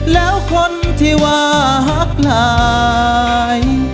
แล้วคนที่หวากหลาย